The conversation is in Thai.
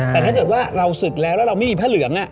แต่ถ้าเกิดว่าเราศึกแล้วแล้วเราไม่มีผ้าเหลือง